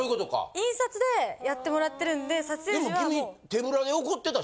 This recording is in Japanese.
印刷でやってもらってるんで撮影時はもう。